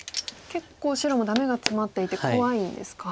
結構白もダメがツマっていて怖いですか。